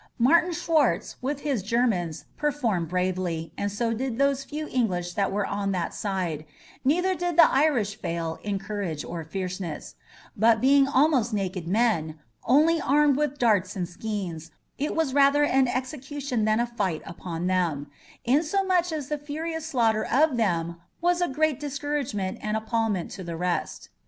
"Martin Swartz, with his Germans, performed bravely, and so did those few English that were on that side; neither did the Irish fail in courage or fierceness, but being almost naked men, only armed with darts and skeans, it was rather an execution than a fight upon them; insomuch as the furious slaughter of them was a great discouragement and appalment to the rest."